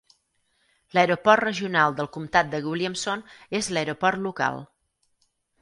L"Aeroport Regional del Comtat de Williamson és l"aeroport local.